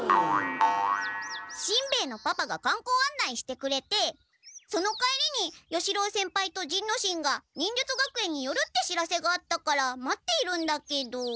しんべヱのパパが観光案内してくれてその帰りに与四郎先輩と仁之進が忍術学園によるって知らせがあったから待っているんだけど。